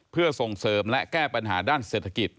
เพื่อส่งเสริมและแก้ปัญหาด้านเศรษฐกิจ